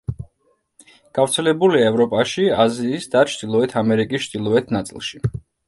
გავრცელებულია ევროპაში, აზიის და ჩრდილოეთ ამერიკის ჩრდილოეთ ნაწილში.